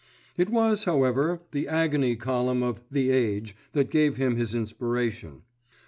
It was, however, the agony column of The Age that gave him his inspiration.